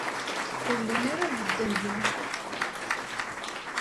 Ur llin ara bedden din.